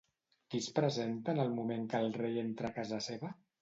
Qui es presenta en el moment que el rei entra a casa seva?